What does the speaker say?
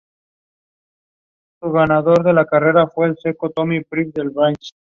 Fue traductor de diversas obras de medicina al español.